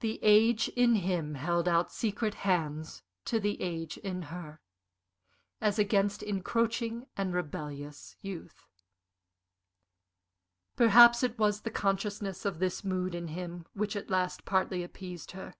The age in him held out secret hands to the age in her as against encroaching and rebellious youth. Perhaps it was the consciousness of this mood in him which at last partly appeased her.